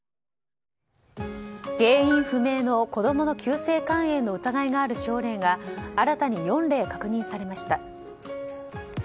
原因不明の子供の急性肝炎の疑いがある症例が新たに４例確認されました。